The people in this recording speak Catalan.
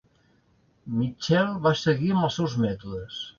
Mitchell va seguir amb els seus mètodes.